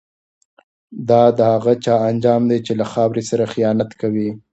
دا د هغه چا انجام دی چي له خاوري سره خیانت کوي.